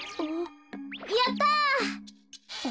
やった！